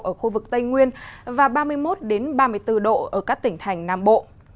ở khu vực tây nguyên và ba mươi một ba mươi bốn độ ở các tỉnh thành nam bộ